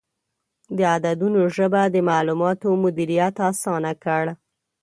د عددونو ژبه د معلوماتو مدیریت اسانه کړ.